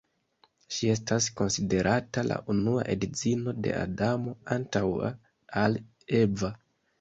Ŝi estas konsiderata la unua edzino de Adamo, antaŭa al Eva.